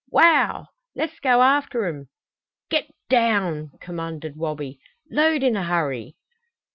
Wow! Let's go after 'em!" "Get down!" commanded Wabi. "Load in a hurry!"